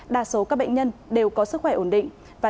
đa số các bệnh nhân đều có sức khỏe ổn định